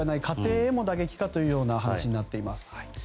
家庭へも打撃かという話になっています。